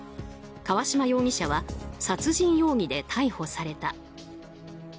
川島容疑者は殺人容疑で逮捕された。